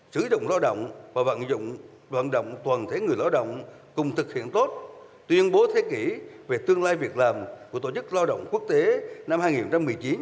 sử dụng lao động và vận dụng vận động toàn thể người lao động cùng thực hiện tốt tuyên bố thế kỷ về tương lai việc làm của tổ chức lao động quốc tế năm hai nghìn một mươi chín